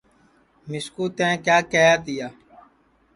مِسکُو تئیں کیا کیہیا تیا